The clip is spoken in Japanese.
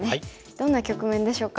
どんな局面でしょうか。